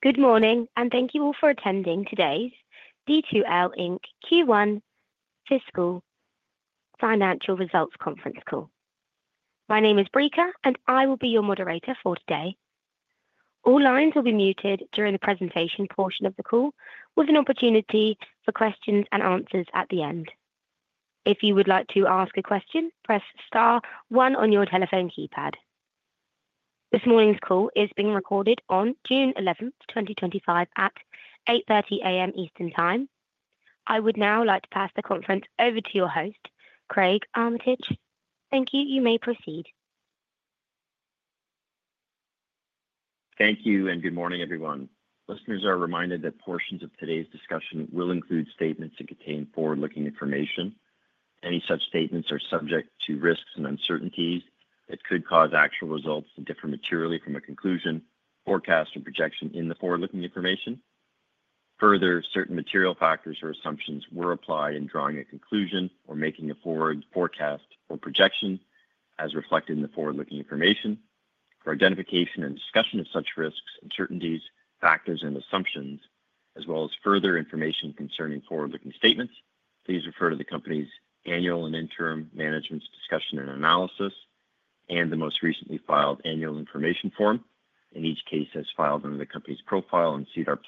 Good morning, and thank you all for attending today's D2L Q1 Fiscal Financial Results Conference call. My name is Breaker, and I will be your moderator for today. All lines will be muted during the presentation portion of the call, with an opportunity for questions and answers at the end. If you would like to ask a question, press star one on your telephone keypad. This morning's call is being recorded on June 11, 2025, at 8:30 A.M. Eastern Time. I would now like to pass the conference over to your host, Craig Armitage. Thank you. You may proceed. Thank you, and good morning, everyone. Listeners are reminded that portions of today's discussion will include statements that contain forward-looking information. Any such statements are subject to risks and uncertainties that could cause actual results to differ materially from a conclusion, forecast, or projection in the forward-looking information. Further, certain material factors or assumptions were applied in drawing a conclusion or making a forward forecast or projection as reflected in the forward-looking information. For identification and discussion of such risks, uncertainties, factors, and assumptions, as well as further information concerning forward-looking statements, please refer to the company's annual and interim management's discussion and analysis and the most recently filed annual information form. In each case, it is filed under the company's profile on SEDAR+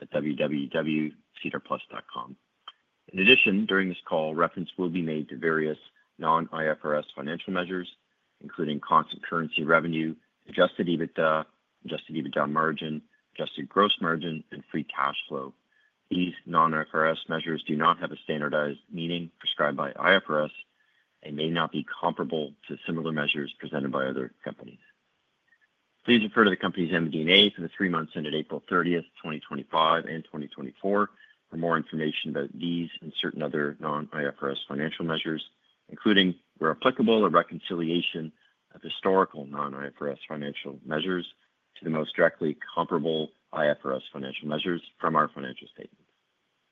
at www.sedarplus.com. In addition, during this call, reference will be made to various non-IFRS financial measures, including constant currency revenue, adjusted EBITDA, adjusted EBITDA margin, adjusted gross margin, and free cash flow. These non-IFRS measures do not have a standardized meaning prescribed by IFRS and may not be comparable to similar measures presented by other companies. Please refer to the company's MD&A for the three months ended April 30, 2025, and 2024 for more information about these and certain other non-IFRS financial measures, including, where applicable, a reconciliation of historical non-IFRS financial measures to the most directly comparable IFRS financial measures from our financial statements.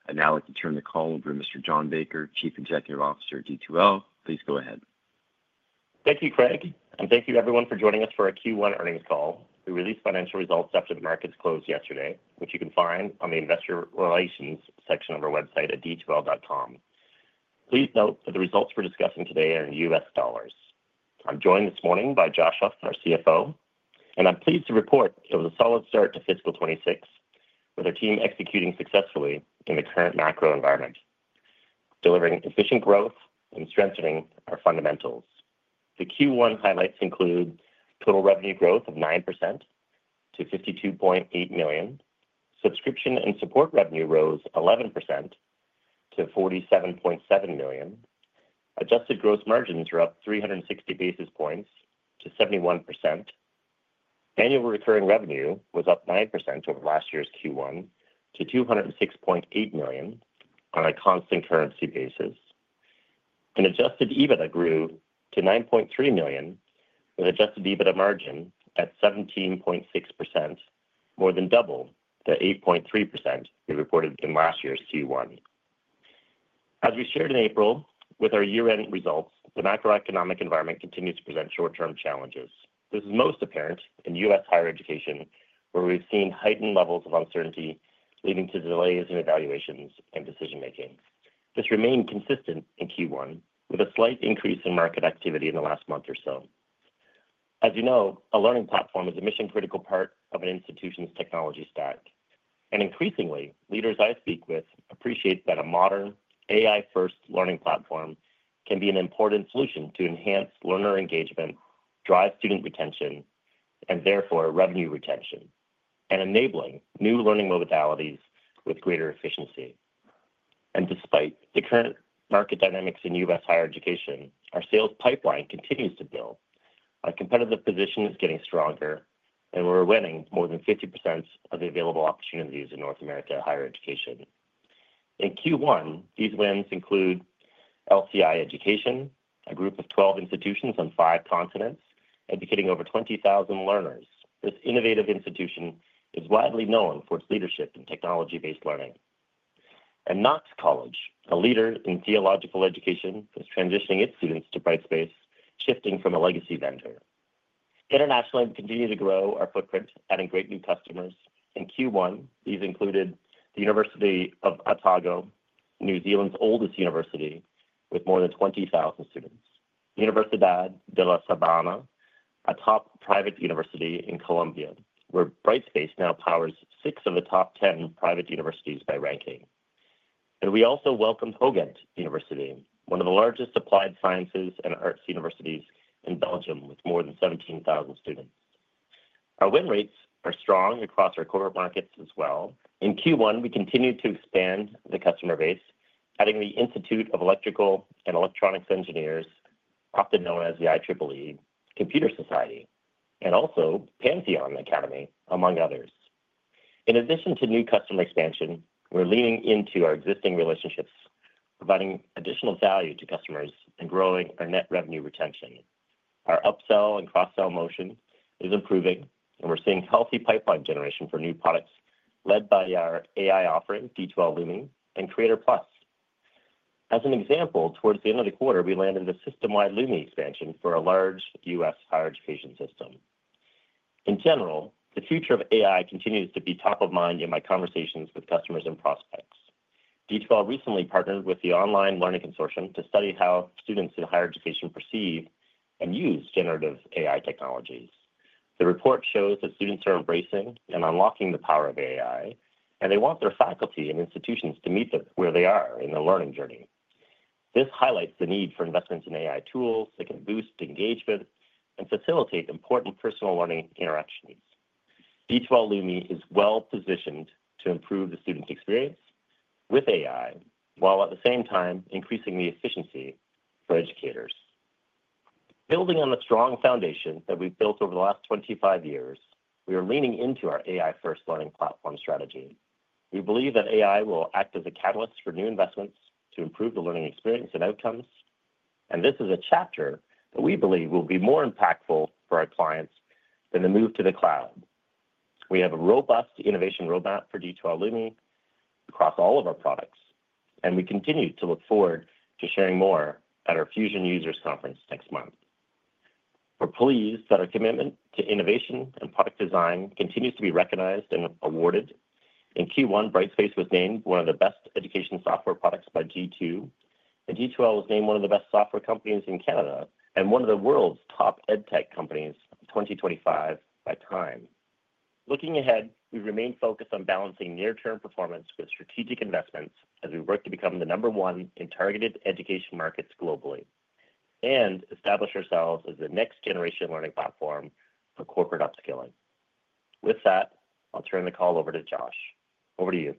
I'd now like to turn the call over to Mr. John Baker, Chief Executive Officer of D2L. Please go ahead. Thank you, Craig, and thank you, everyone, for joining us for a Q1 earnings call. We released financial results after the markets closed yesterday, which you can find on the Investor Relations section of our website at d2l.com. Please note that the results we're discussing today are in US dollars. I'm joined this morning by Josh Huff, our CFO, and I'm pleased to report it was a solid start to fiscal 2026, with our team executing successfully in the current macro environment, delivering efficient growth, and strengthening our fundamentals. The Q1 highlights include total revenue growth of 9% to $52.8 million. Subscription and support revenue rose 11% to $47.7 million. Adjusted gross margins are up 360 basis points to 71%. Annual recurring revenue was up 9% over last year's Q1 to $206.8 million on a constant currency basis. Adjusted EBITDA grew to $9.3 million, with adjusted EBITDA margin at 17.6%, more than double the 8.3% we reported in last year's Q1. As we shared in April with our year-end results, the macroeconomic environment continues to present short-term challenges. This is most apparent in U.S. higher education, where we have seen heightened levels of uncertainty leading to delays in evaluations and decision-making. This remained consistent in Q1, with a slight increase in market activity in the last month or so. A learning platform is a mission-critical part of an institution's technology stack. Increasingly, leaders I speak with appreciate that a modern, AI-first learning platform can be an important solution to enhance learner engagement, drive student retention, and therefore revenue retention, and enabling new learning modalities with greater efficiency. Despite the current market dynamics in U.S. higher education, our sales pipeline continues to build. Our competitive position is getting stronger, and we're winning more than 50% of the available opportunities in North America higher education. In Q1, these wins include LCI Education, a group of 12 institutions on five continents, educating over 20,000 learners. This innovative institution is widely known for its leadership in technology-based learning. Knox College, a leader in theological education, is transitioning its students to Brightspace, shifting from a legacy vendor. Internationally, we continue to grow our footprint, adding great new customers. In Q1, these included the University of Otago, New Zealand's oldest university, with more than 20,000 students. Universidad de la Sabana, a top private university in Colombia, where Brightspace now powers six of the top 10 private universities by ranking. We also welcomed Hogent University, one of the largest applied sciences and arts universities in Belgium, with more than 17,000 students. Our win rates are strong across our corporate markets as well. In Q1, we continued to expand the customer base, adding the Institute of Electrical and Electronics Engineers, often known as the IEEE, Computer Society, and also Pantheon Academy, among others. In addition to new customer expansion, we're leaning into our existing relationships, providing additional value to customers, and growing our net revenue retention. Our upsell and cross-sell motion is improving, and we're seeing healthy pipeline generation for new products led by our AI offering, D2L Lumen, and Creator Plus. As an example, towards the end of the quarter, we landed a system-wide Lumen expansion for a large US higher education system. In general, the future of AI continues to be top of mind in my conversations with customers and prospects. D2L recently partnered with the Online Learning Consortium to study how students in higher education perceive and use generative AI technologies. The report shows that students are embracing and unlocking the power of AI, and they want their faculty and institutions to meet where they are in their learning journey. This highlights the need for investments in AI tools that can boost engagement and facilitate important personal learning interactions. D2L Lumen is well-positioned to improve the student experience with AI while at the same time increasing the efficiency for educators. Building on the strong foundation that we've built over the last 25 years, we are leaning into our AI-first learning platform strategy. We believe that AI will act as a catalyst for new investments to improve the learning experience and outcomes, and this is a chapter that we believe will be more impactful for our clients than the move to the cloud. We have a robust innovation roadmap for D2L Lumen across all of our products, and we continue to look forward to sharing more at our Fusion Users Conference next month. We are pleased that our commitment to innovation and product design continues to be recognized and awarded. In Q1, Brightspace was named one of the best education software products by G2, and D2L was named one of the best software companies in Canada and one of the world's top edtech companies in 2025 by Time. Looking ahead, we remain focused on balancing near-term performance with strategic investments as we work to become the number one in targeted education markets globally and establish ourselves as the next-generation learning platform for corporate upskilling. With that, I'll turn the call over to Josh. Over to you.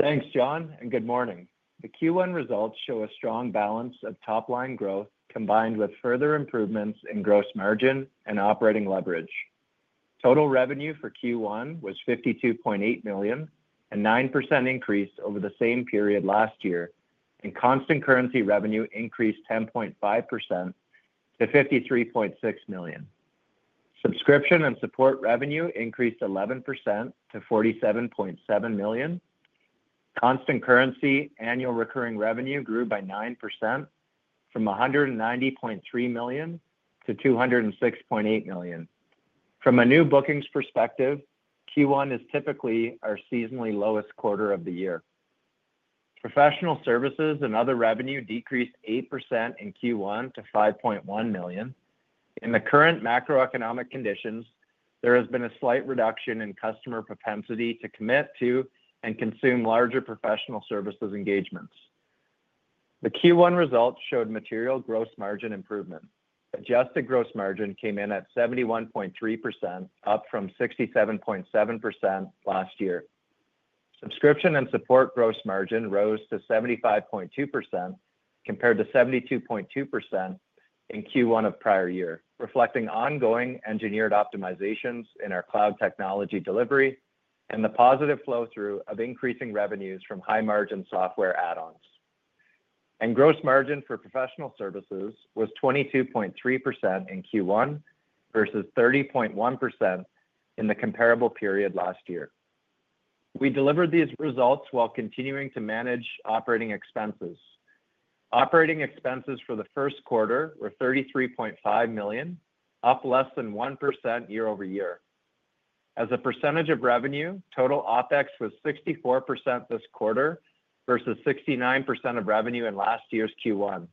Thanks, John, and good morning. The Q1 results show a strong balance of top-line growth combined with further improvements in gross margin and operating leverage. Total revenue for Q1 was $52.8 million, a 9% increase over the same period last year, and constant currency revenue increased 10.5% to $53.6 million. Subscription and support revenue increased 11% to $47.7 million. Constant currency annual recurring revenue grew by 9% from $190.3 million to $206.8 million. From a new bookings perspective, Q1 is typically our seasonally lowest quarter of the year. Professional services and other revenue decreased 8% in Q1 to $5.1 million. In the current macroeconomic conditions, there has been a slight reduction in customer propensity to commit to and consume larger professional services engagements. The Q1 results showed material gross margin improvement. Adjusted gross margin came in at 71.3%, up from 67.7% last year. Subscription and support gross margin rose to 75.2% compared to 72.2% in Q1 of prior year, reflecting ongoing engineered optimizations in our cloud technology delivery and the positive flow-through of increasing revenues from high-margin software add-ons. Gross margin for professional services was 22.3% in Q1 versus 30.1% in the comparable period last year. We delivered these results while continuing to manage operating expenses. Operating expenses for the first quarter were $33.5 million, up less than 1% year-over-year. As a percentage of revenue, total OpEx was 64% this quarter versus 69% of revenue in last year's Q1,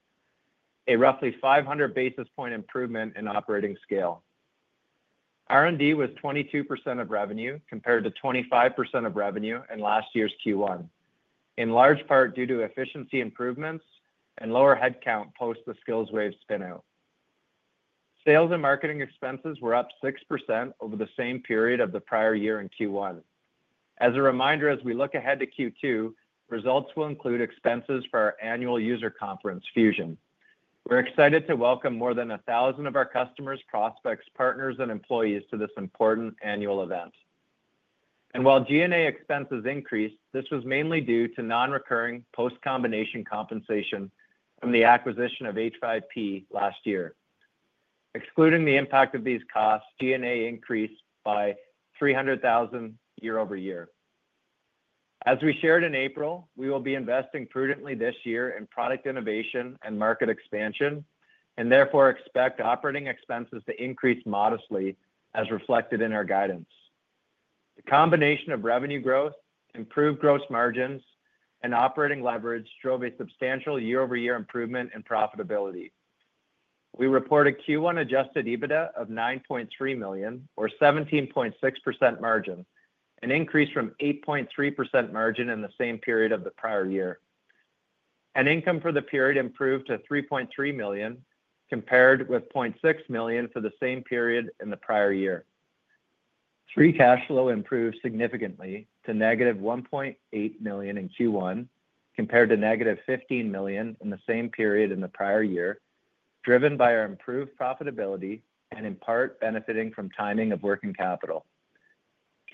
a roughly 500 basis point improvement in operating scale. R&D was 22% of revenue compared to 25% of revenue in last year's Q1, in large part due to efficiency improvements and lower headcount post the SkillsWave spinout. Sales and marketing expenses were up 6% over the same period of the prior year in Q1. As a reminder, as we look ahead to Q2, results will include expenses for our annual user conference, Fusion. We are excited to welcome more than 1,000 of our customers, prospects, partners, and employees to this important annual event. While G&A expenses increased, this was mainly due to non-recurring post-combination compensation from the acquisition of H5P last year. Excluding the impact of these costs, G&A increased by $300,000 year-over-year. As we shared in April, we will be investing prudently this year in product innovation and market expansion and therefore expect operating expenses to increase modestly, as reflected in our guidance. The combination of revenue growth, improved gross margins, and operating leverage drove a substantial year-over-year improvement in profitability. We report a Q1 adjusted EBITDA of $9.3 million, or 17.6% margin, an increase from 8.3% margin in the same period of the prior year. Income for the period improved to $3.3 million compared with $0.6 million for the same period in the prior year. Free cash flow improved significantly to negative $1.8 million in Q1 compared to negative $15 million in the same period in the prior year, driven by our improved profitability and in part benefiting from timing of working capital.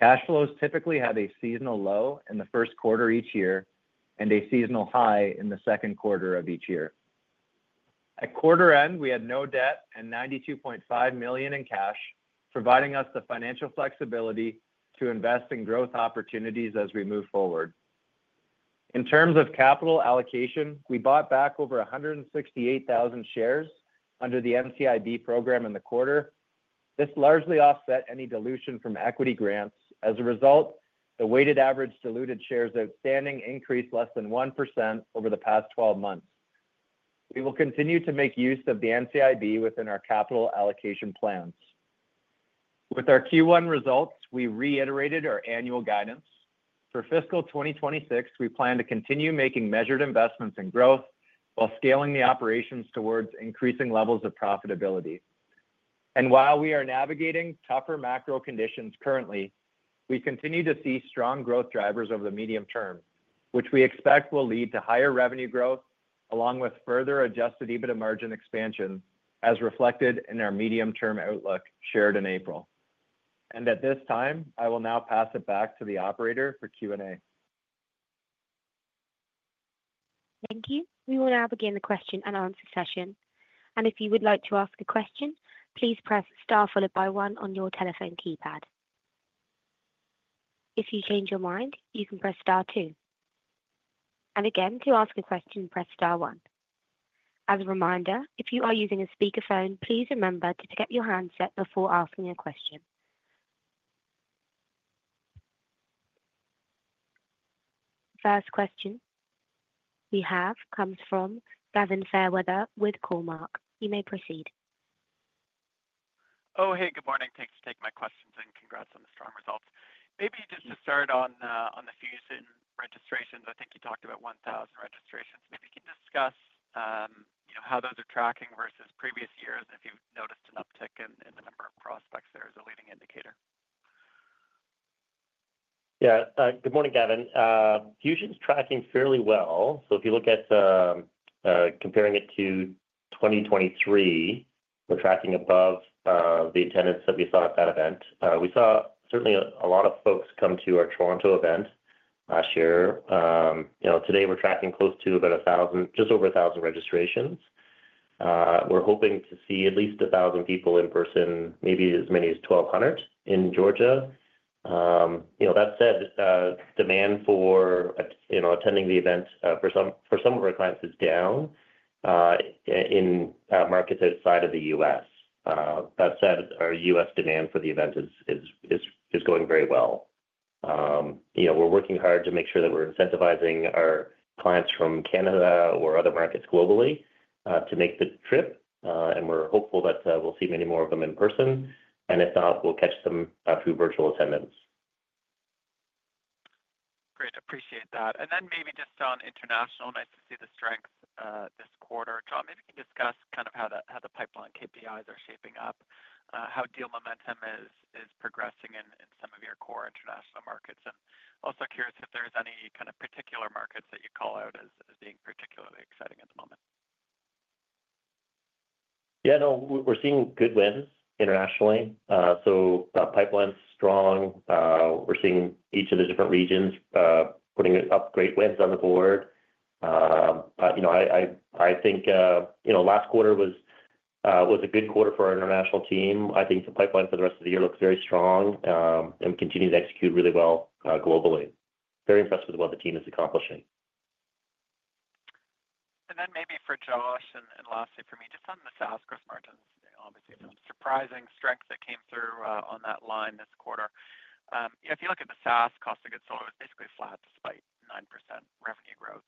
Cash flows typically have a seasonal low in the first quarter each year and a seasonal high in the second quarter of each year. At quarter end, we had no debt and $92.5 million in cash, providing us the financial flexibility to invest in growth opportunities as we move forward. In terms of capital allocation, we bought back over 168,000 shares under the NCIB program in the quarter. This largely offset any dilution from equity grants. As a result, the weighted average diluted shares outstanding increased less than 1% over the past 12 months. We will continue to make use of the NCIB within our capital allocation plans. With our Q1 results, we reiterated our annual guidance. For fiscal 2026, we plan to continue making measured investments in growth while scaling the operations towards increasing levels of profitability. While we are navigating tougher macro conditions currently, we continue to see strong growth drivers over the medium term, which we expect will lead to higher revenue growth along with further adjusted EBITDA margin expansion, as reflected in our medium-term outlook shared in April. At this time, I will now pass it back to the operator for Q&A. Thank you. We will now begin the question and answer session. If you would like to ask a question, please press star followed by one on your telephone keypad. If you change your mind, you can press star two. To ask a question, press star one. As a reminder, if you are using a speakerphone, please remember to get your handset before asking a question. The first question we have comes from Gavin Fairweather with Cormark Securities. You may proceed. Oh, hey, good morning. Thanks for taking my questions, and congrats on the strong results. Maybe just to start on the Fusion registrations, I think you talked about 1,000 registrations. Maybe you can discuss how those are tracking versus previous years and if you've noticed an uptick in the number of prospects there as a leading indicator. Yeah, good morning, Gavin. Fusion's tracking fairly well. If you look at comparing it to 2023, we're tracking above the attendance that we saw at that event. We saw certainly a lot of folks come to our Toronto event last year. Today, we're tracking close to about 1,000, just over 1,000 registrations. We're hoping to see at least 1,000 people in person, maybe as many as 1,200 in Georgia. That said, demand for attending the event for some of our clients is down in markets outside of the US. That said, our US demand for the event is going very well. We're working hard to make sure that we're incentivizing our clients from Canada or other markets globally to make the trip, and we're hopeful that we'll see many more of them in person. If not, we'll catch them through virtual attendance. Great. Appreciate that. Maybe just on international, nice to see the strength this quarter. John, maybe you can discuss kind of how the pipeline KPIs are shaping up, how deal momentum is progressing in some of your core international markets. Also curious if there's any kind of particular markets that you call out as being particularly exciting at the moment. Yeah, no, we're seeing good wins internationally. Pipeline's strong. We're seeing each of the different regions putting up great wins on the board. I think last quarter was a good quarter for our international team. I think the pipeline for the rest of the year looks very strong and continues to execute really well globally. Very impressed with what the team is accomplishing. Maybe for Josh and lastly for me, just on the SaaS gross margins, obviously some surprising strength that came through on that line this quarter. If you look at the SaaS cost of goods, it was basically flat despite 9% revenue growth.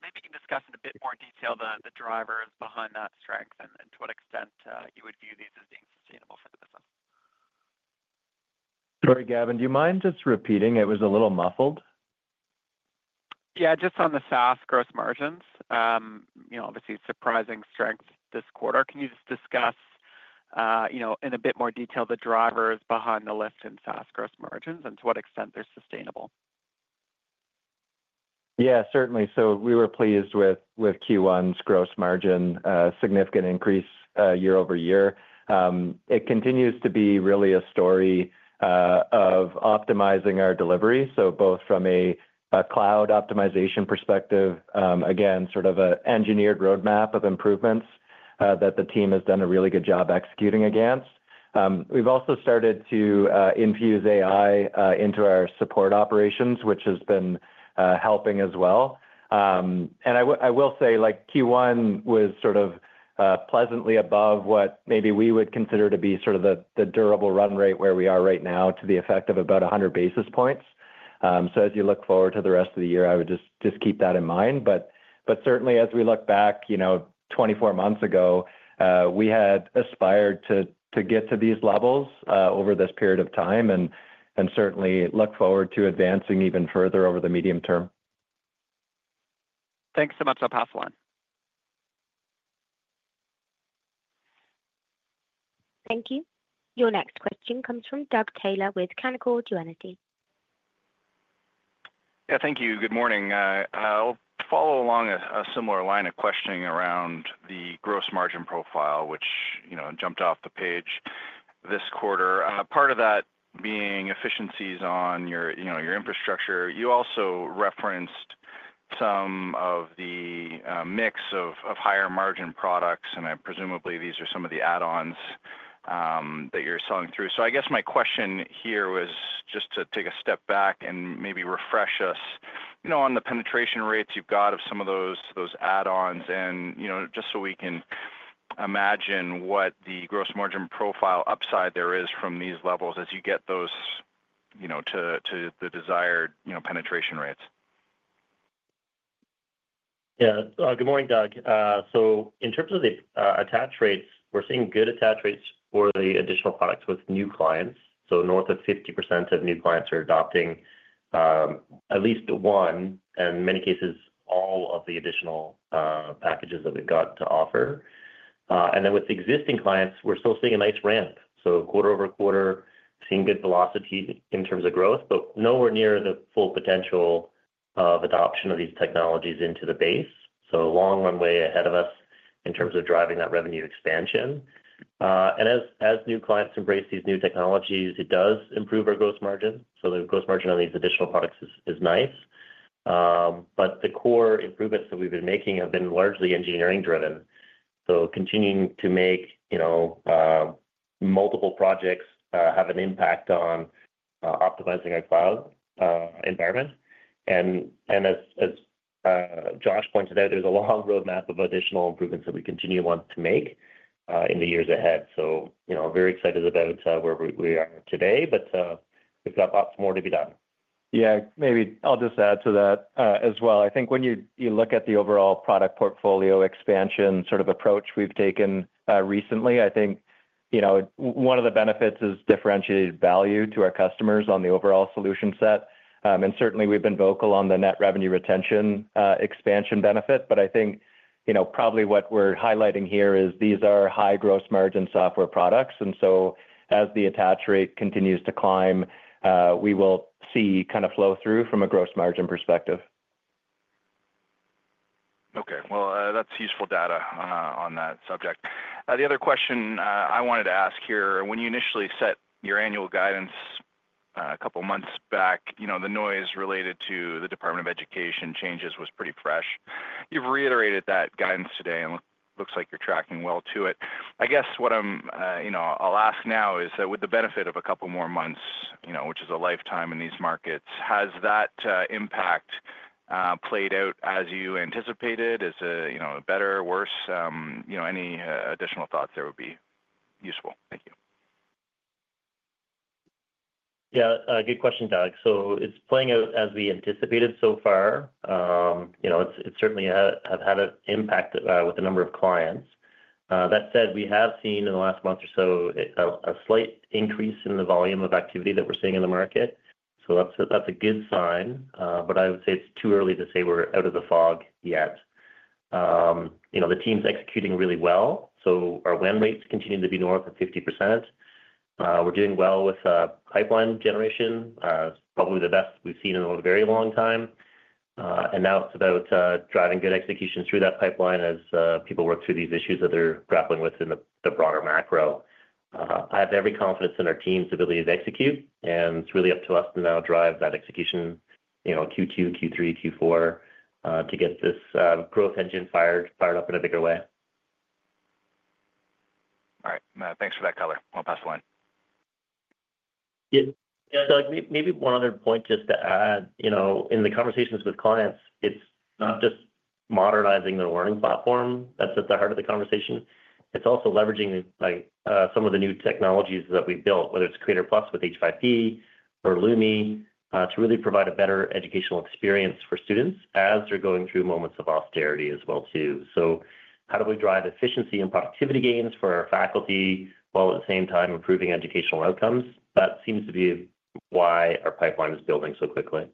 Maybe you can discuss in a bit more detail the drivers behind that strength and to what extent you would view these as being sustainable for the business. Sorry, Gavin, do you mind just repeating? It was a little muffled. Yeah, just on the SaaS gross margins, obviously surprising strength this quarter. Can you just discuss in a bit more detail the drivers behind the lift in SaaS gross margins and to what extent they're sustainable? Yeah, certainly. So we were pleased with Q1's gross margin, significant increase year-over-year. It continues to be really a story of optimizing our delivery, so both from a cloud optimization perspective, again, sort of an engineered roadmap of improvements that the team has done a really good job executing against. We've also started to infuse AI into our support operations, which has been helping as well. I will say Q1 was sort of pleasantly above what maybe we would consider to be sort of the durable run rate where we are right now to the effect of about 100 basis points. As you look forward to the rest of the year, I would just keep that in mind. Certainly, as we look back 24 months ago, we had aspired to get to these levels over this period of time and certainly look forward to advancing even further over the medium term. Thanks so much. I'll pass the line. Thank you. Your next question comes from Doug Taylor with Canaccord Genuity. Yeah, thank you. Good morning. I'll follow along a similar line of questioning around the gross margin profile, which jumped off the page this quarter. Part of that being efficiencies on your infrastructure. You also referenced some of the mix of higher-margin products, and presumably these are some of the add-ons that you're selling through. I guess my question here was just to take a step back and maybe refresh us on the penetration rates you've got of some of those add-ons, and just so we can imagine what the gross margin profile upside there is from these levels as you get those to the desired penetration rates. Yeah, good morning, Doug. In terms of the attach rates, we're seeing good attach rates for the additional products with new clients. North of 50% of new clients are adopting at least one and, in many cases, all of the additional packages that we've got to offer. With existing clients, we're still seeing a nice ramp. Quarter over quarter, seeing good velocity in terms of growth, but nowhere near the full potential of adoption of these technologies into the base. A long runway ahead of us in terms of driving that revenue expansion. As new clients embrace these new technologies, it does improve our gross margin. The gross margin on these additional products is nice. The core improvements that we've been making have been largely engineering-driven. Continuing to make multiple projects have an impact on optimizing our cloud environment. As Josh pointed out, there's a long roadmap of additional improvements that we continue to want to make in the years ahead. I'm very excited about where we are today, but we've got lots more to be done. Yeah, maybe I'll just add to that as well. I think when you look at the overall product portfolio expansion sort of approach we've taken recently, I think one of the benefits is differentiated value to our customers on the overall solution set. Certainly, we've been vocal on the net revenue retention expansion benefit, but I think probably what we're highlighting here is these are high gross margin software products. As the attach rate continues to climb, we will see kind of flow-through from a gross margin perspective. Okay. That is useful data on that subject. The other question I wanted to ask here, when you initially set your annual guidance a couple of months back, the noise related to the Department of Education changes was pretty fresh. You have reiterated that guidance today, and it looks like you are tracking well to it. I guess what I will ask now is that with the benefit of a couple more months, which is a lifetime in these markets, has that impact played out as you anticipated? Is it better, worse? Any additional thoughts there would be useful. Thank you. Yeah, good question, Doug. It's playing out as we anticipated so far. It certainly has had an impact with the number of clients. That said, we have seen in the last month or so a slight increase in the volume of activity that we're seeing in the market. That's a good sign, but I would say it's too early to say we're out of the fog yet. The team's executing really well. Our win rates continue to be north of 50%. We're doing well with pipeline generation. It's probably the best we've seen in a very long time. Now it's about driving good execution through that pipeline as people work through these issues that they're grappling with in the broader macro. I have every confidence in our team's ability to execute, and it's really up to us to now drive that execution Q2, Q3, Q4 to get this growth engine fired up in a bigger way. All right. Thanks for that, Cutler. I'll pass the line. Yeah, Doug, maybe one other point just to add. In the conversations with clients, it's not just modernizing their learning platform. That's at the heart of the conversation. It's also leveraging some of the new technologies that we've built, whether it's Creator Plus with H5P or Lumen, to really provide a better educational experience for students as they're going through moments of austerity as well too. How do we drive efficiency and productivity gains for our faculty while at the same time improving educational outcomes? That seems to be why our pipeline is building so quickly.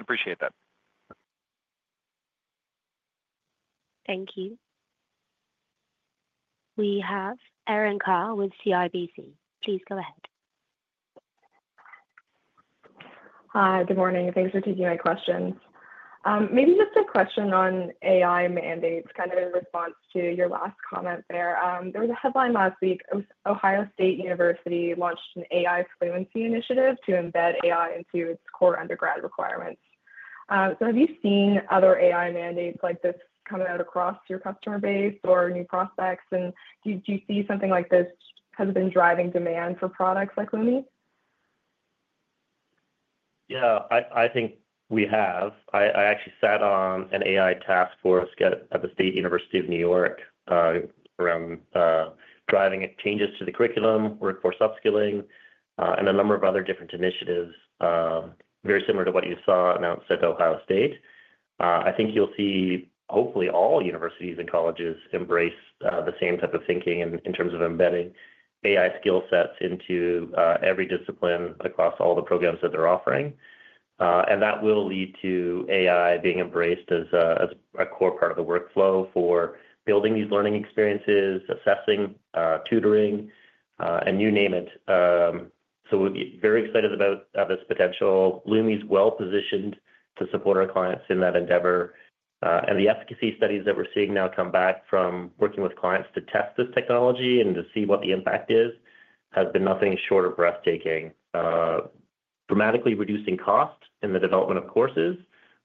Appreciate that. Thank you. We have Erin Carr with CIBC. Please go ahead. Hi, good morning. Thanks for taking my questions. Maybe just a question on AI mandates, kind of in response to your last comment there. There was a headline last week. Ohio State University launched an AI fluency initiative to embed AI into its core undergrad requirements. Have you seen other AI mandates like this coming out across your customer base or new prospects? Do you see something like this has been driving demand for products like Lumen? Yeah, I think we have. I actually sat on an AI task force at the State University of New York around driving changes to the curriculum, workforce upskilling, and a number of other different initiatives very similar to what you saw announced at Ohio State. I think you'll see, hopefully, all universities and colleges embrace the same type of thinking in terms of embedding AI skill sets into every discipline across all the programs that they're offering. That will lead to AI being embraced as a core part of the workflow for building these learning experiences, assessing, tutoring, and you name it. We'll be very excited about this potential. Lumen is well-positioned to support our clients in that endeavor. The efficacy studies that we're seeing now come back from working with clients to test this technology, and to see what the impact is has been nothing short of breathtaking. Dramatically reducing cost in the development of courses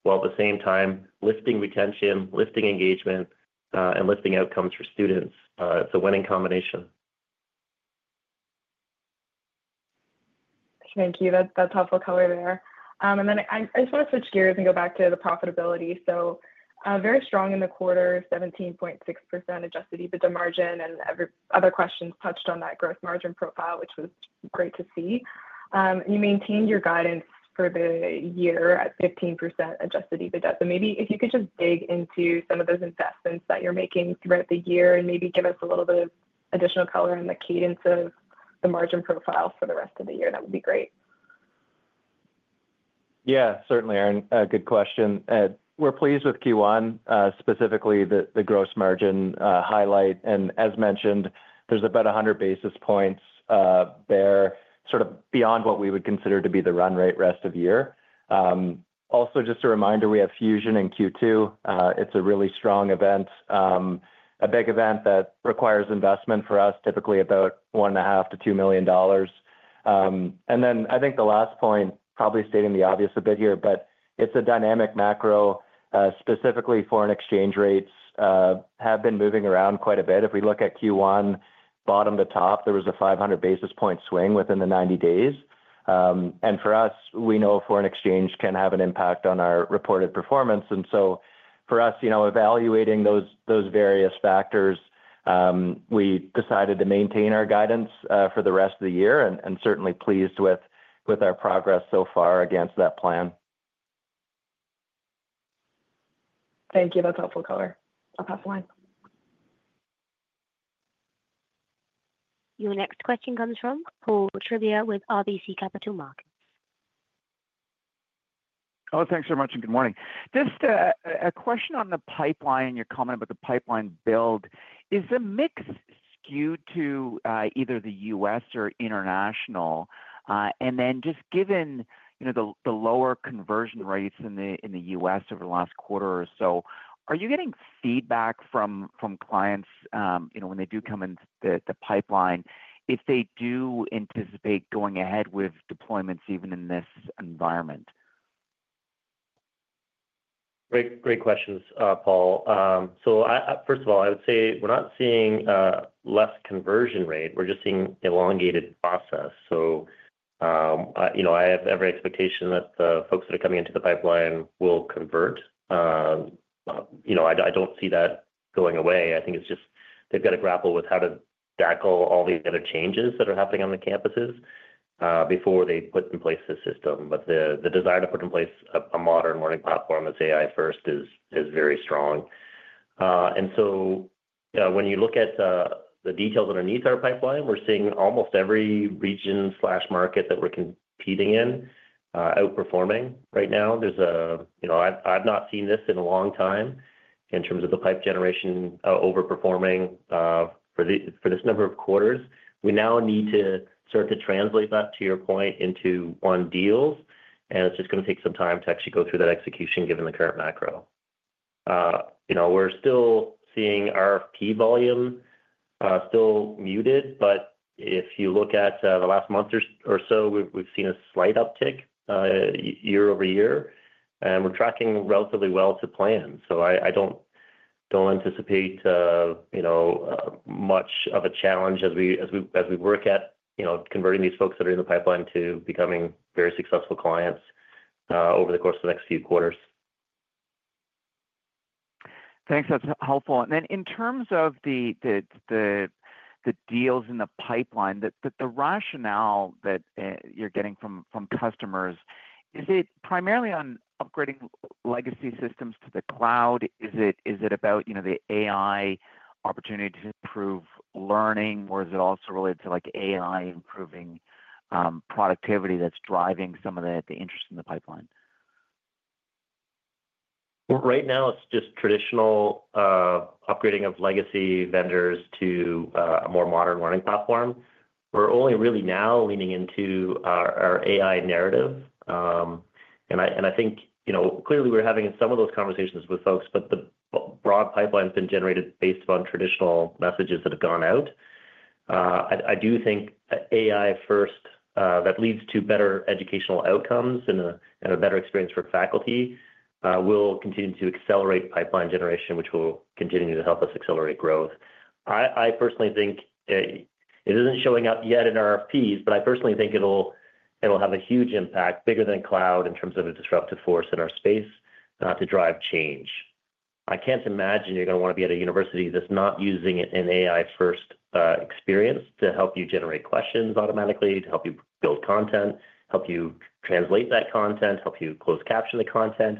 while at the same time lifting retention, lifting engagement, and lifting outcomes for students. It's a winning combination. Thank you. That's helpful cover there. I just want to switch gears and go back to the profitability. Very strong in the quarter, 17.6% adjusted EBITDA margin, and other questions touched on that growth margin profile, which was great to see. You maintained your guidance for the year at 15% adjusted EBITDA. Maybe if you could just dig into some of those investments that you're making throughout the year and maybe give us a little bit of additional color on the cadence of the margin profile for the rest of the year, that would be great. Yeah, certainly, Erin. Good question. We're pleased with Q1, specifically the gross margin highlight. As mentioned, there's about 100 basis points there sort of beyond what we would consider to be the run rate rest of year. Also, just a reminder, we have Fusion in Q2. It's a really strong event, a big event that requires investment for us, typically about $1.5 million-$2 million. I think the last point, probably stating the obvious a bit here, but it's a dynamic macro. Specifically, foreign exchange rates have been moving around quite a bit. If we look at Q1, bottom to top, there was a 500 basis point swing within the 90 days. For us, we know foreign exchange can have an impact on our reported performance. For us, evaluating those various factors, we decided to maintain our guidance for the rest of the year and certainly pleased with our progress so far against that plan. Thank you. That's helpful cover. I'll pass the line. Your next question comes from Paul Trivia with RBC Capital Markets. Oh, thanks very much, and good morning. Just a question on the pipeline, your comment about the pipeline build. Is the mix skewed to either the U.S. or international? Just given the lower conversion rates in the U.S. over the last quarter or so, are you getting feedback from clients when they do come into the pipeline if they do anticipate going ahead with deployments even in this environment? Great questions, Paul. First of all, I would say we're not seeing less conversion rate. We're just seeing elongated process. I have every expectation that the folks that are coming into the pipeline will convert. I don't see that going away. I think it's just they've got to grapple with how to tackle all the other changes that are happening on the campuses before they put in place the system. The desire to put in place a modern learning platform that's AI-first is very strong. When you look at the details underneath our pipeline, we're seeing almost every region/market that we're competing in outperforming right now. I've not seen this in a long time in terms of the pipe generation overperforming for this number of quarters. We now need to start to translate that, to your point, into on-deals, and it's just going to take some time to actually go through that execution given the current macro. We're still seeing RFP volume still muted, but if you look at the last month or so, we've seen a slight uptick year over year, and we're tracking relatively well to plan. I don't anticipate much of a challenge as we work at converting these folks that are in the pipeline to becoming very successful clients over the course of the next few quarters. Thanks. That's helpful. In terms of the deals in the pipeline, the rationale that you're getting from customers, is it primarily on upgrading legacy systems to the cloud? Is it about the AI opportunity to improve learning, or is it also related to AI-improving productivity that's driving some of the interest in the pipeline? Right now, it's just traditional upgrading of legacy vendors to a more modern learning platform. We're only really now leaning into our AI narrative. I think clearly we're having some of those conversations with folks, but the broad pipeline has been generated based on traditional messages that have gone out. I do think AI-first that leads to better educational outcomes and a better experience for faculty, will continue to accelerate pipeline generation, which will continue to help us accelerate growth. I personally think it isn't showing up yet in RFPs, but I personally think it'll have a huge impact, bigger than cloud in terms of a disruptive force in our space to drive change. I can't imagine you're going to want to be at a university that's not using an AI-first experience to help you generate questions automatically, to help you build content, help you translate that content, help you close caption the content.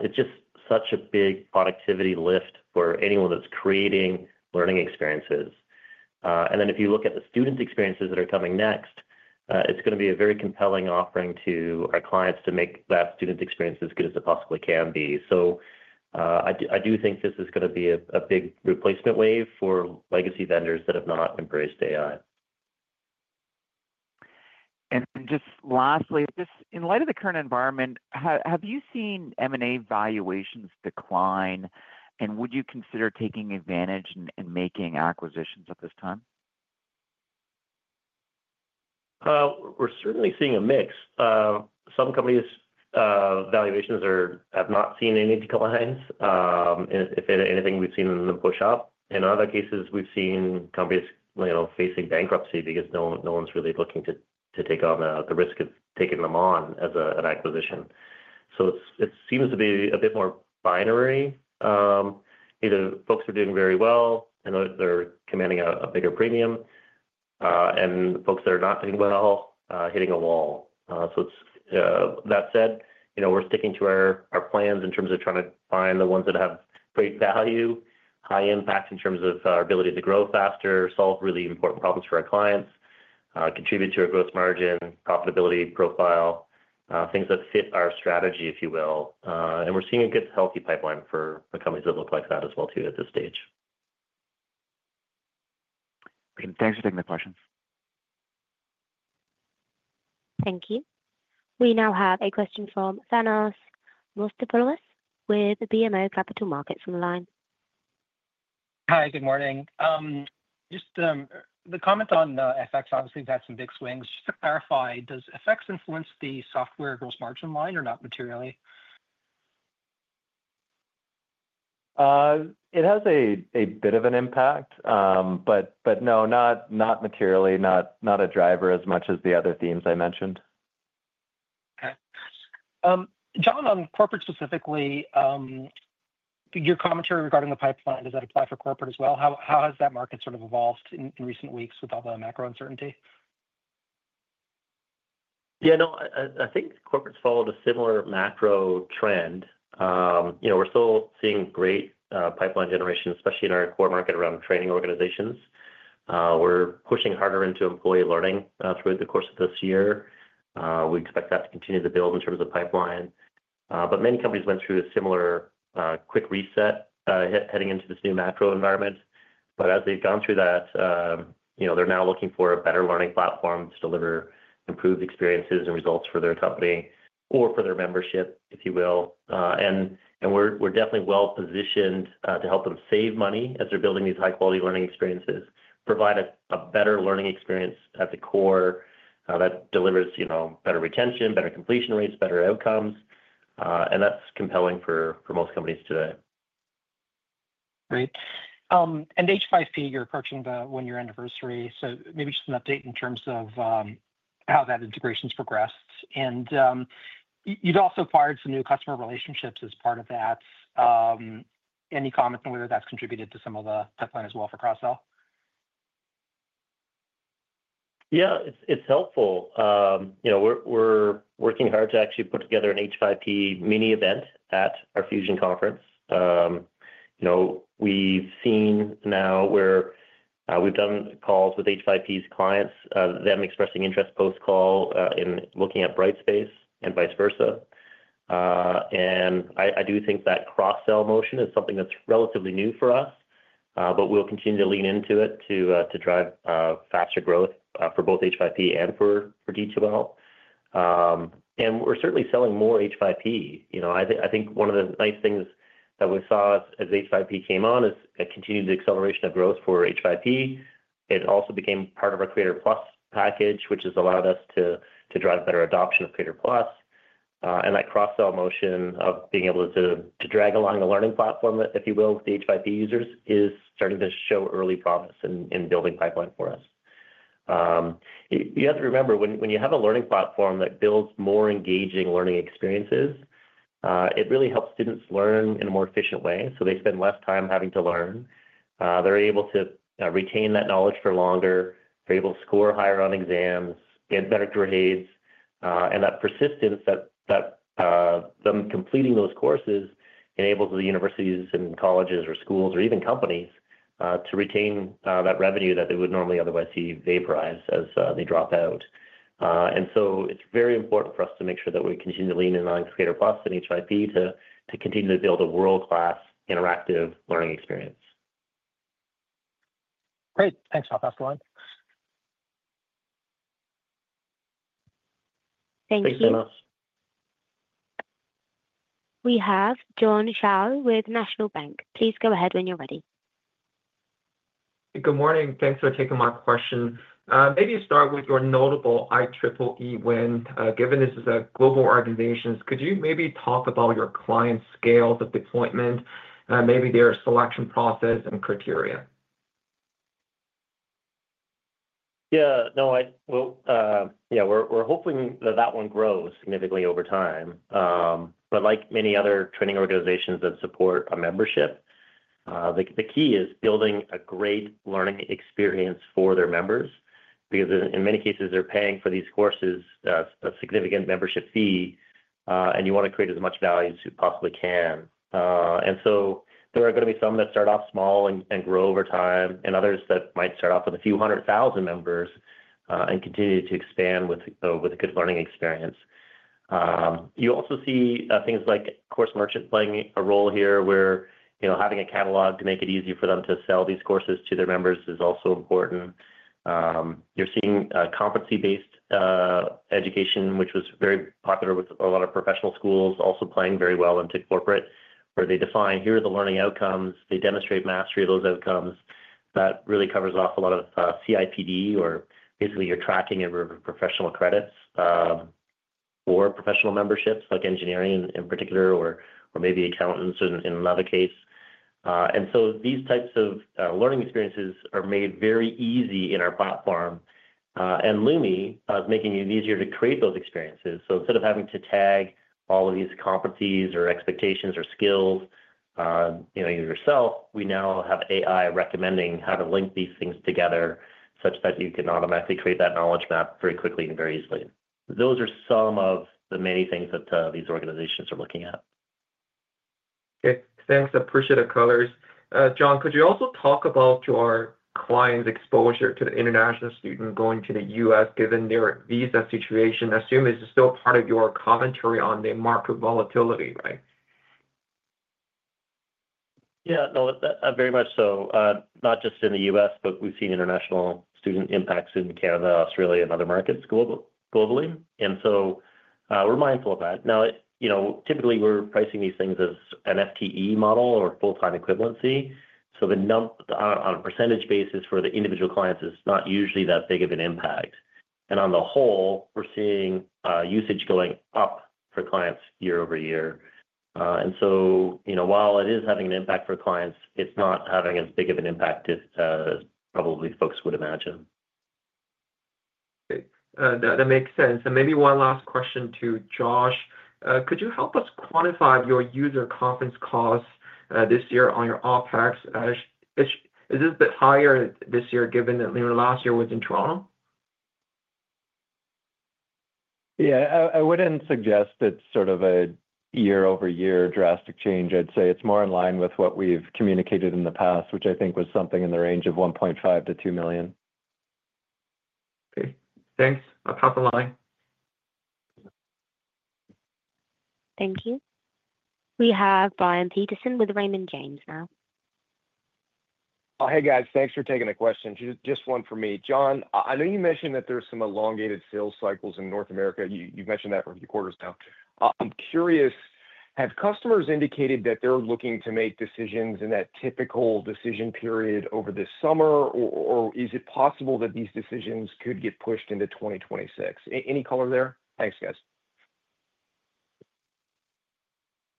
It's just such a big productivity lift for anyone that's creating learning experiences. If you look at the student experiences that are coming next, it's going to be a very compelling offering to our clients to make that student experience as good as it possibly can be. I do think this is going to be a big replacement wave for legacy vendors that have not embraced AI. Just lastly, just in light of the current environment, have you seen M&A valuations decline, and would you consider taking advantage and making acquisitions at this time? We're certainly seeing a mix. Some companies' valuations have not seen any declines; if anything, we've seen them push up. In other cases, we've seen companies facing bankruptcy because no one's really looking to take on the risk of taking them on as an acquisition. It seems to be a bit more binary. Either folks are doing very well and they're commanding a bigger premium, and folks that are not doing well hitting a wall. That said, we're sticking to our plans in terms of trying to find the ones that have great value, high impact in terms of our ability to grow faster, solve really important problems for our clients, contribute to our gross margin, profitability profile, things that fit our strategy, if you will. We're seeing a good, healthy pipeline for companies that look like that as well too at this stage. Thanks for taking the questions. Thank you. We now have a question from Thanos Mostaporos with BMO Capital Markets on the line. Hi, good morning. Just the comment on FX—obviously we've had some big swings. Just to clarify, does FX influence the software gross margin line or not materially? It has a bit of an impact, but no, not materially, not a driver as much as the other themes I mentioned. Okay. John, on corporate specifically, your commentary regarding the pipeline, does that apply for corporate as well? How has that market sort of evolved in recent weeks with all the macro uncertainty? Yeah, no, I think corporates followed a similar macro trend. We're still seeing great pipeline generation, especially in our core market around training organizations. We're pushing harder into employee learning throughout the course of this year. We expect that to continue to build in terms of pipeline. Many companies went through a similar quick reset heading into this new macro environment. As they've gone through that, they're now looking for a better learning platform to deliver improved experiences and results for their company or for their membership, if you will. We're definitely well-positioned to help them save money as they're building these high-quality learning experiences, provide a better learning experience at the core that delivers better retention, better completion rates, better outcomes. That's compelling for most companies today. All right. H5P, you're approaching the one-year anniversary. Maybe just an update in terms of how that integration has progressed. You've also acquired some new customer relationships as part of that. Any comments on whether that's contributed to some of the pipeline as well for Crossell? Yeah, it's helpful. We're working hard to actually put together an H5P mini event at our Fusion conference. We've seen now where we've done calls with H5P's clients, them expressing interest post-call in looking at Brightspace and vice versa. I do think that cross-sell motion is something that's relatively new for us, but we'll continue to lean into it to drive faster growth for both H5P and for D2L. We're certainly selling more H5P. I think one of the nice things that we saw as H5P came on is a continued acceleration of growth for H5P. It also became part of our Creator Plus package, which has allowed us to drive better adoption of Creator Plus. That cross-sell motion of being able to drag along the learning platform, if you will, with the H5P users is starting to show early promise in building pipeline for us. You have to remember, when you have a learning platform that builds more engaging learning experiences, it really helps students learn in a more efficient way. They spend less time having to learn. They are able to retain that knowledge for longer. They are able to score higher on exams, get better grades. That persistence, that them completing those courses, enables the universities and colleges or schools or even companies to retain that revenue that they would normally otherwise see vaporize as they drop out. It is very important for us to make sure that we continue to lean in on Creator Plus and H5P to continue to build a world-class interactive learning experience. Great. Thanks. I'll pass the line. Thank you. Thanks, Thanos. We have John Schal with National Bank. Please go ahead when you're ready. Good morning. Thanks for taking my question. Maybe you start with your notable IEEE win. Given this is a global organization, could you maybe talk about your client scales of deployment, maybe their selection process and criteria? Yeah. No, yeah, we're hoping that that one grows significantly over time. Like many other training organizations that support a membership, the key is building a great learning experience for their members because in many cases, they're paying for these courses a significant membership fee, and you want to create as much value as you possibly can. There are going to be some that start off small and grow over time and others that might start off with a few hundred thousand members and continue to expand with a good learning experience. You also see things like course merchant playing a role here, where having a catalog to make it easier for them to sell these courses to their members is also important. You're seeing competency-based education, which was very popular with a lot of professional schools, also playing very well into corporate, where they define, "Here are the learning outcomes." They demonstrate mastery of those outcomes. That really covers off a lot of CIPD, or basically your tracking of your professional credits or professional memberships, like engineering in particular or maybe accountants in another case. These types of learning experiences are made very easy in our platform. Lumi is making it easier to create those experiences. Instead of having to tag all of these competencies or expectations or skills yourself, we now have AI recommending how to link these things together such that you can automatically create that knowledge map very quickly and very easily. Those are some of the many things that these organizations are looking at. Okay. Thanks. Appreciate the colors. John, could you also talk about your client's exposure to the international student going to the U.S. given their visa situation? I assume this is still part of your commentary on the market volatility, right? Yeah. No, very much so. Not just in the U.S., but we've seen international student impacts in Canada, Australia, and other markets globally. We are mindful of that. Now, typically, we're pricing these things as an FTE model, or full-time equivalency. On a percentage basis for the individual clients, it's not usually that big of an impact. On the whole, we're seeing usage going up for clients year over year. While it is having an impact for clients, it's not having as big of an impact as probably folks would imagine. Okay. That makes sense. Maybe one last question to Josh. Could you help us quantify your user conference costs this year on your OpEx? Is it a bit higher this year given that last year was in Toronto? Yeah. I wouldn't suggest it's sort of a year-over-year drastic change. I'd say it's more in line with what we've communicated in the past, which I think was something in the range of $1.5 million-$2 million. Okay. Thanks. I'll pass the line. Thank you. We have Brian Peterson with Raymond James now. Hey, guys. Thanks for taking the question. Just one for me. John, I know you mentioned that there are some elongated sales cycles in North America. You've mentioned that for a few quarters now. I'm curious, have customers indicated that they're looking to make decisions in that typical decision period over this summer, or is it possible that these decisions could get pushed into 2026? Any color there? Thanks, guys.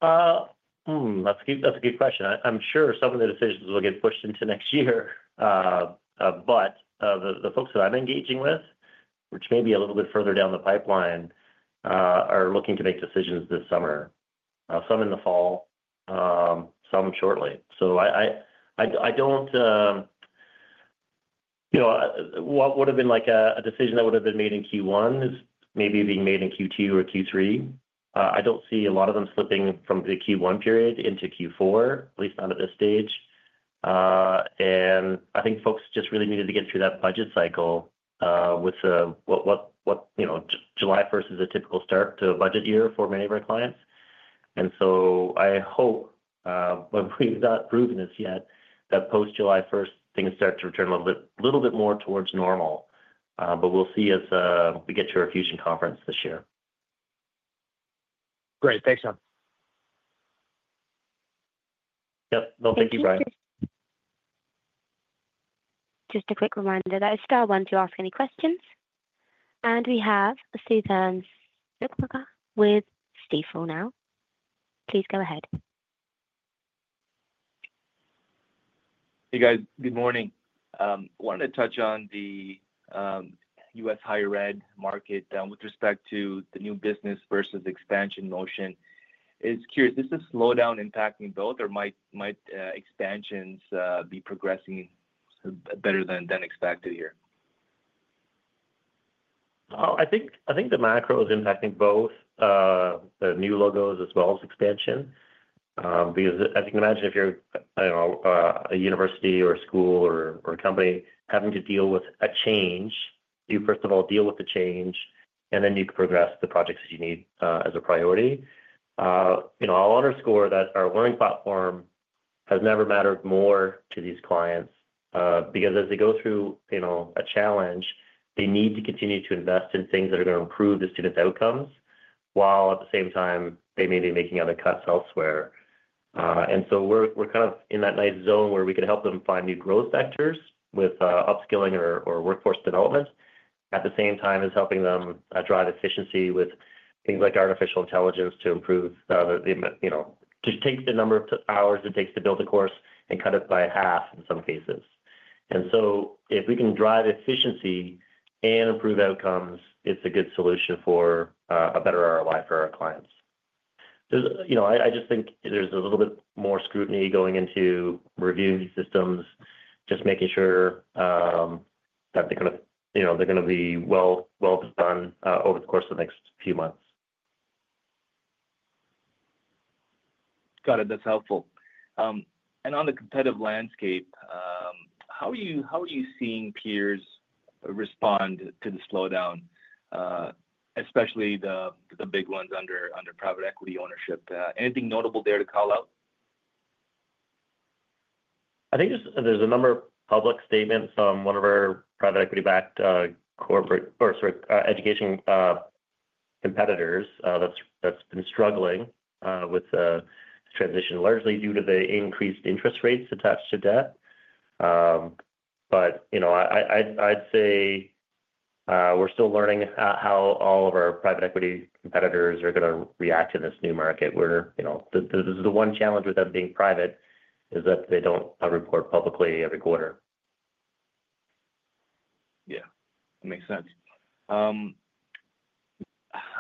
That's a good question. I'm sure some of the decisions will get pushed into next year. But the folks that I'm engaging with, which may be a little bit further down the pipeline, are looking to make decisions this summer. Some in the fall, some shortly. I don't know what would have been a decision that would have been made in Q1 is maybe being made in Q2 or Q3. I don't see a lot of them slipping from the Q1 period into Q4, at least not at this stage. I think folks just really needed to get through that budget cycle, with what July 1 is a typical start to a budget year for many of our clients. I hope, when we've not proven this yet, that post-July 1, things start to return a little bit more towards normal. We will see as we get to our Fusion conference this year. Great. Thanks, John. Yep. Thank you, Brian. Thank you. Just a quick reminder that I still have one to ask any questions. We have Suthan Sukumar with Stifel now. Please go ahead. Hey, guys. Good morning. I wanted to touch on the US higher ed market with respect to the new business versus expansion motion. I'm curious, is the slowdown impacting both, or might expansions be progressing better than expected here? I think the macro is impacting both. The new logos as well as expansion. Because I think, imagine if you're a university or a school or a company having to deal with a change. You, first of all, deal with the change, and then you can progress the projects that you need as a priority. I'll underscore that our learning platform has never mattered more to these clients because as they go through a challenge, they need to continue to invest in things that are going to improve the students' outcomes while at the same time, they may be making other cuts elsewhere. We're kind of in that nice zone where we can help them find new growth vectors with upskilling or workforce development at the same time as helping them drive efficiency with things like artificial intelligence to improve the just take the number of hours it takes to build a course and cut it by half in some cases. If we can drive efficiency and improve outcomes, it's a good solution for a better ROI for our clients. I just think there's a little bit more scrutiny going into reviewing these systems, just making sure that they're going to be well done over the course of the next few months. Got it. That's helpful. On the competitive landscape, how are you seeing peers respond to the slowdown, especially the big ones under private equity ownership? Anything notable there to call out? I think there's a number of public statements on one of our private equity-backed corporate, or sorry, education competitors that's been struggling with the transition, largely due to the increased interest rates attached to debt. I'd say we're still learning how all of our private equity competitors are going to react to this new market. This is the one challenge with them being private is that they don't report publicly every quarter. Yeah. That makes sense. I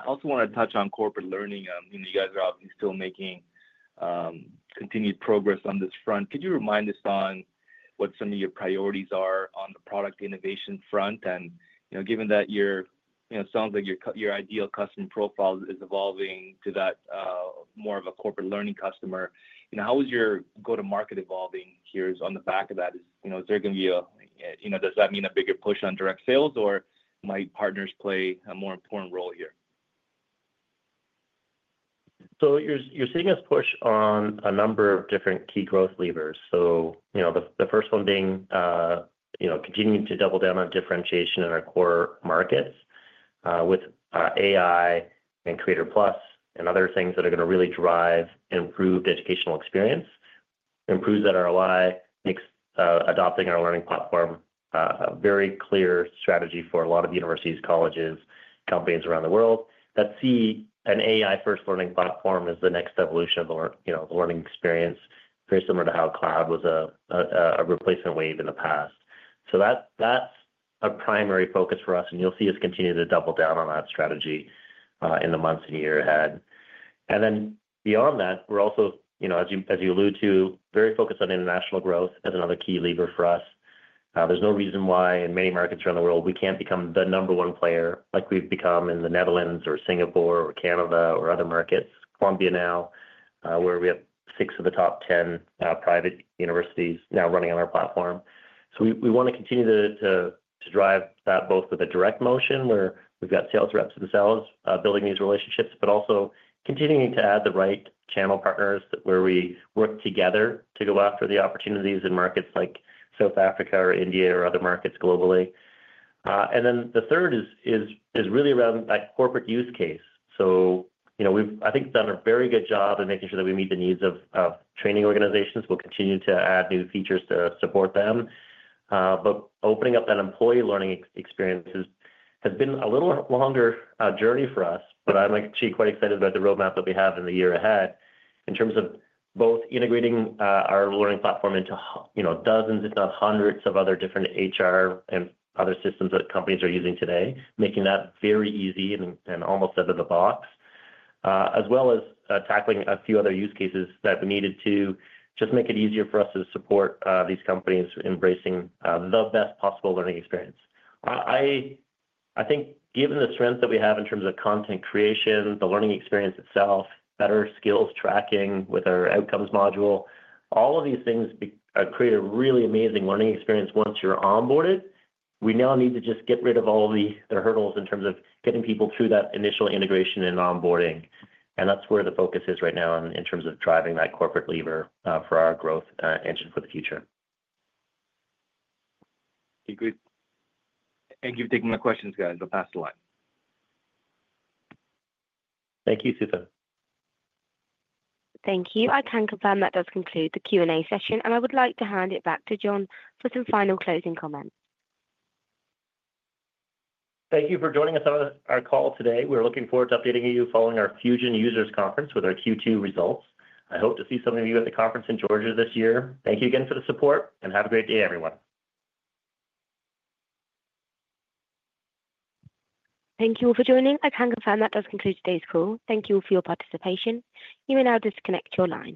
also want to touch on corporate learning. You guys are obviously still making continued progress on this front. Could you remind us on what some of your priorities are on the product innovation front? Given that it sounds like your ideal customer profile is evolving to that more of a corporate learning customer, how is your go-to-market evolving here on the back of that? Is there going to be a, does that mean a bigger push on direct sales, or might partners play a more important role here? You're seeing us push on a number of different key growth levers. The first one being continuing to double down on differentiation in our core markets with AI and Creator Plus and other things that are going to really drive improved educational experience, improve that ROI, makes adopting our learning platform a very clear strategy for a lot of universities, colleges, companies around the world that see an AI-first learning platform as the next evolution of the learning experience, very similar to how cloud was a replacement wave in the past. That's a primary focus for us. You'll see us continue to double down on that strategy in the months and year ahead. Beyond that, we're also, as you alluded to, very focused on international growth as another key lever for us. There's no reason why in many markets around the world we can't become the number one player like we've become in the Netherlands or Singapore or Canada or other markets, Colombia now, where we have six of the top 10 private universities now running on our platform. We want to continue to drive that both with a direct motion where we've got sales reps themselves building these relationships, but also continuing to add the right channel partners where we work together to go after the opportunities in markets like South Africa or India or other markets globally. The third is really around that corporate use case. I think we've done a very good job in making sure that we meet the needs of training organizations. We'll continue to add new features to support them. Opening up that employee learning experience has been a little longer journey for us, but I'm actually quite excited about the roadmap that we have in the year ahead in terms of both integrating our learning platform into dozens, if not hundreds, of other different HR and other systems that companies are using today, making that very easy and almost out of the box, as well as tackling a few other use cases that we needed to just make it easier for us to support these companies embracing the best possible learning experience. I think given the strengths that we have in terms of content creation, the learning experience itself, better skills tracking with our outcomes module, all of these things create a really amazing learning experience once you're onboarded. We now need to just get rid of all the hurdles in terms of getting people through that initial integration and onboarding. That is where the focus is right now in terms of driving that corporate lever for our growth and for the future. Okay. Great. Thank you for taking my questions, guys. I'll pass the line. Thank you, Suthan. Thank you. I can confirm that does conclude the Q&A session, and I would like to hand it back to John for some final closing comments. Thank you for joining us on our call today. We're looking forward to updating you following our Fusion Users Conference with our Q2 results. I hope to see some of you at the conference in Georgia this year. Thank you again for the support, and have a great day, everyone. Thank you all for joining. I can confirm that does conclude today's call. Thank you all for your participation. You may now disconnect your line.